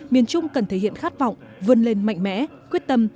miền trung cần thể hiện khát vọng vươn lên mạnh mẽ quyết tâm